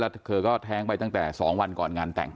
แล้วเธอก็แท้งไปตั้งแต่๒วันก่อนงานแต่ง